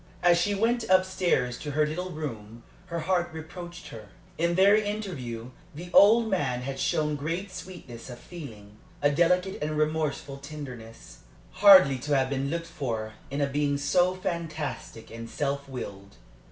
As she went up stairs to her little room her heart reproached her. In their interview the old man had shown great sweetness of feeling, a delicate and remorseful tenderness, hardly to have been looked for in a being so fantastic and self willed.